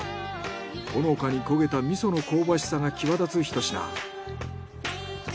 ほのかに焦げた味噌の香ばしさが際立つひと品。